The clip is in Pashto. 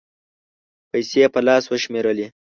پېسې یې په لاس و شمېرلې